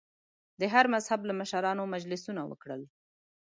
د هر مذهب له مشرانو مجلسونه وکړل.